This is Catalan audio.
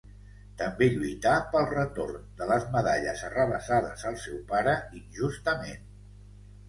També lluità pel retorn de les medalles arrabassades al seu pare injustament.